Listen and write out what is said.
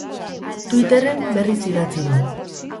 Twitterren berriz idatzi du.